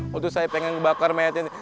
waktu itu saya pengen ngebakar mayatnya